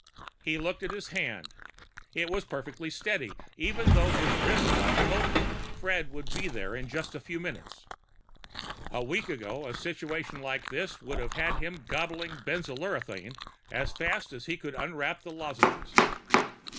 He looked at his hand. It was perfectly steady, even though his wrist watch told him Fred would be here in just a few minutes. A week ago, a situation like this would have had him gobbling benzolurethrin as fast as he could unwrap the lozenges.